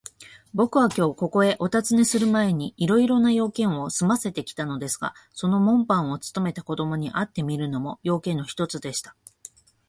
ぼくはきょう、ここへおたずねするまえに、いろいろな用件をすませてきたのですが、その門番をつとめた子どもに会ってみるのも、用件の一つでした。